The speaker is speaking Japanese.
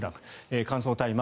乾燥大麻